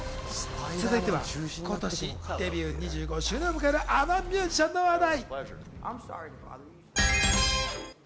続いては今年デビュー２５周年を迎えるあのミュージシャンの話題。